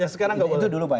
sekarang gak boleh